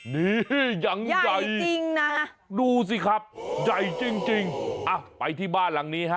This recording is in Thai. นี่ยังใหญ่จริงนะดูสิครับใหญ่จริงอ่ะไปที่บ้านหลังนี้ฮะ